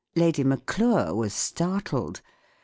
" Lady Maclure was startled.